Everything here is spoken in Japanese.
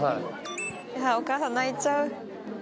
お母さん泣いちゃう。